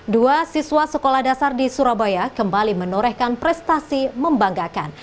dua siswa sekolah dasar di surabaya kembali menorehkan prestasi membanggakan